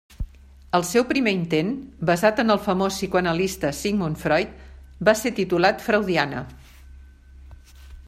El seu primer intent, basat en el famós psicoanalista Sigmund Freud, va ser titulat Freudiana.